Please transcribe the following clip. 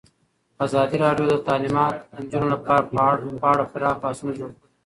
ازادي راډیو د تعلیمات د نجونو لپاره په اړه پراخ بحثونه جوړ کړي.